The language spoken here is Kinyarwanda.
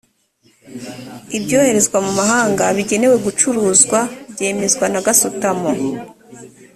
ibyoherezwa mumahanga bigenewe gucuruzwa byemezwa na gasutamo